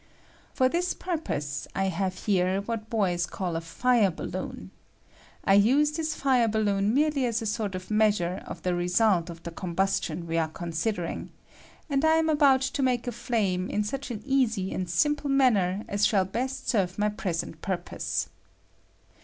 For this purpose I have here what boys call a fire balloon ; I use this fire balloon merely as a sort of measure of the result of the combustion we are considering ; and I am about to make a flame in such aa easy and simple manner aa shall best serve my present purpose.